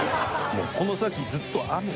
もうこの先ずっと雨。